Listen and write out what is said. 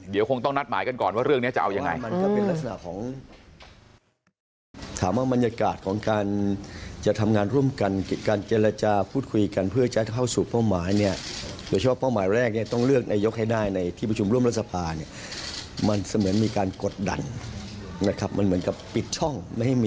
เดี๋ยวคงต้องนัดหมายกันก่อนว่าเรื่องนี้จะเอายังไง